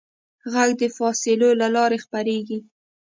غږ د فاصلو له لارې خپرېږي.